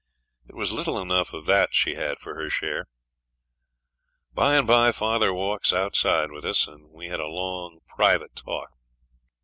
It was little enough of that she had for her share. By and by father walks outside with us, and we had a long private talk.